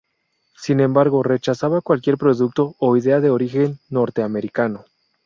Sin embargo, rechazaba cualquier producto o idea de origen norteamericano.